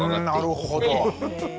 なるほど。